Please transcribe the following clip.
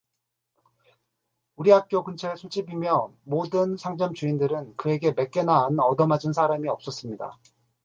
우리 학교 근처의 술집이며 모든 상점 주인들은, 그에게 매깨나 안 얻어맞은 사람이 없었습니다.